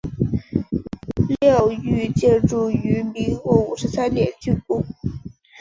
庙宇建筑于民国五十三年竣工。